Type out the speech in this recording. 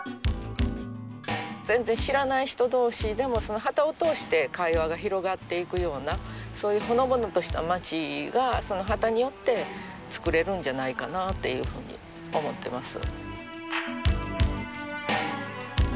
全然知らない人同士でもその旗を通して会話が広がっていくようなそういうほのぼのとした町がその旗によって作れるんじゃないかなっていうふうに思ってます。